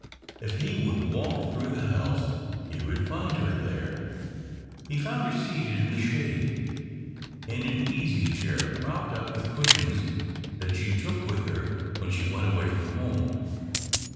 If he would walk through the house he would find her there. He found her seated in the shade, in an easy chair, propped up with cushions that she took with her when she went aw\ay from home.